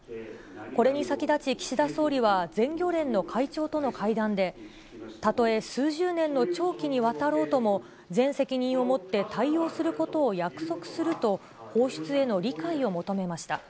これに先立ち、岸田総理は全漁連の会長との会談で、たとえ数十年の長期にわたろうとも、全責任を持って対応することを約束すると、放出への理解を求めました。